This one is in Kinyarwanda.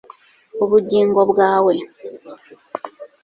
ubugingo bwawe